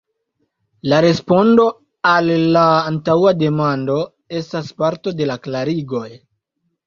La respondo al la antaŭa demando estas parto de la klarigoj.